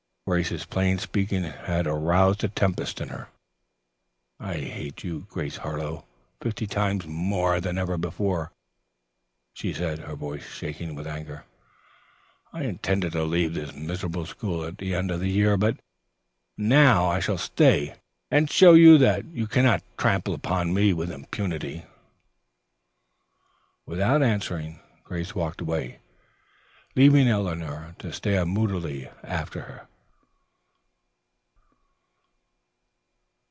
Grace's plain speaking had roused a tempest in her. "I hate you, Grace Harlowe, fifty times more than ever before," she said, her voice shaking with anger. "I intended to leave this miserable school at the end of the year, but now I shall stay and show you that you cannot trample upon me with impunity." Without answering, Grace walked away, leaving Eleanor to stare moodily after her.